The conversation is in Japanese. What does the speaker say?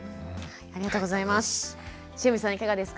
ありがとうございます。